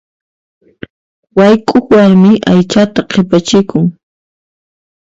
Wayk'uq warmi aychata qhipachikun.